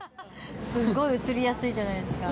すごいうつりやすいじゃないですか。